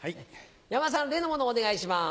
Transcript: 山田さん例のものをお願いします。